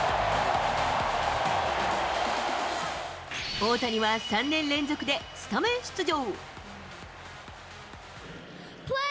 大谷は３年連続でスタメン出場。